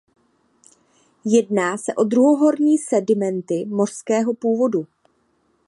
Jedná se o druhohorní sedimenty mořského původu.